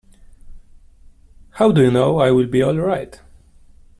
How do you know I'll be all right?